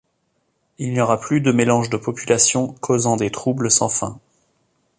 Il n'y aura plus de mélange de population causant des troubles sans fin...